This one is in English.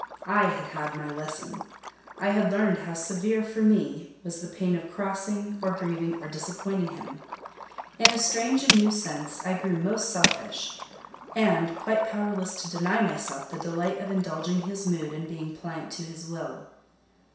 I had had my lesson: I had learned how severe for me was the pain of crossing, or grieving, or disappointing him. In a strange and new sense, I grew most selfish, and quite powerless to deny myself the delight of indulging his mood, and being pliant to his will.